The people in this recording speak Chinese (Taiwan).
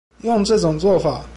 用這種作法